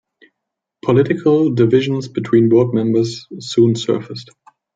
Political divisions between board members soon surfaced.